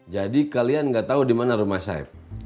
jadi kalian nggak tahu di mana rumah saib